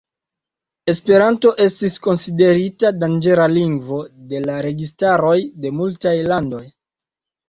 Esperanto estis konsiderita "danĝera lingvo" de la registaroj de multaj landoj.